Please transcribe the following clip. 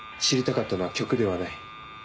知りたかったのは曲ではない。